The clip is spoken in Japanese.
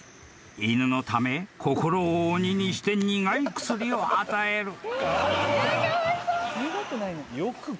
［犬のため心を鬼にして苦い薬を与える］